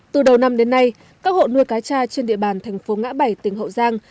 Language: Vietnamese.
từ đầu năm đến nay các hộ nuôi cá cha trên địa bàn thành phố ngã bảy tỉnh hậu giang